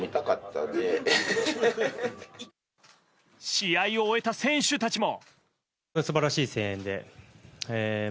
試合を終えた選手たちも。